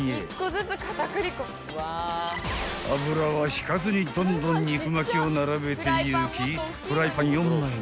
［油は引かずにどんどん肉巻きを並べていきフライパン４枚に］